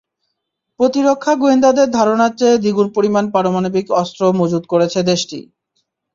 প্রতিরক্ষা গোয়েন্দাদের ধারণার চেয়ে দ্বিগুণ পরিমাণ পারমাণবিক অস্ত্র মজুত করেছে দেশটি।